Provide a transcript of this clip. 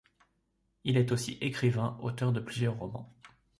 Il est aussi écrivain, auteur de plusieurs romans.